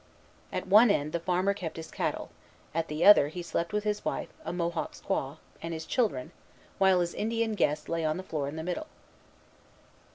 At one end the farmer kept his cattle; at the other he slept with his wife, a Mohawk squaw, and his children, while his Indian guests lay on the floor in the middle.